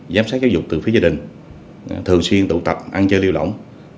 giám sát giáo dục từ phía gia đình thường xuyên tụ tập ăn chơi lưu động